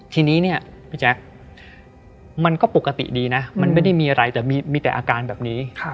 ทีนี้เนี่ยพี่แจ๊คมันก็ปกติดีนะมันไม่ได้มีอะไรแต่มีแต่อาการแบบนี้